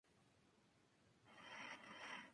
Uno de sus estudiantes fue Luigi Bianchi.